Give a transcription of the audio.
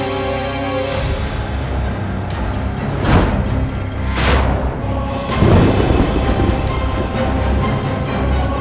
aku akan meletak halaman urusan yang benar ini